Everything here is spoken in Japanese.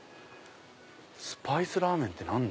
スパイスラーメンって何だ？